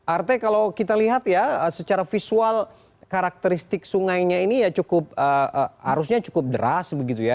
arte kalau kita lihat ya secara visual karakteristik sungainya ini ya cukup arusnya cukup deras begitu ya